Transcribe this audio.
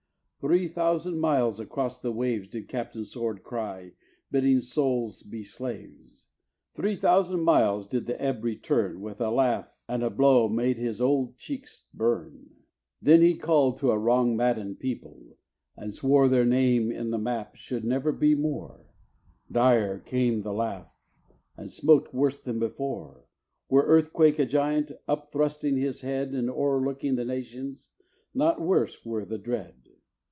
Three thousand miles across the waves[A] Did Captain Sword cry, bidding souls be slaves: Three thousand miles did the echo return With a laugh and a blow made his old cheeks burn. Then he call'd to a wrong maddened people, and swore[B] Their name in the map should never be more: Dire came the laugh, and smote worse than before. Were earthquake a giant, up thrusting his head And o'erlooking the nations, not worse were the dread.